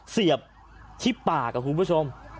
เสียบที่ปากกับคุณผู้ชม